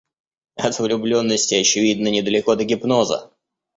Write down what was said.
От влюбленности, очевидно, недалеко до гипноза.